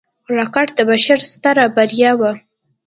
راکټ د بشر ستره بریا وه